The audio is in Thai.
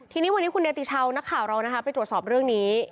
ทีนี้วันนี้คุณเนติชาวนักข่าวเรานะคะไปตรวจสอบเรื่องนี้